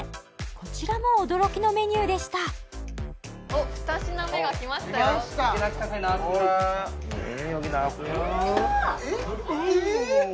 こちらも驚きのメニューでしたおっ２品目が来ましたよ来ましたええー！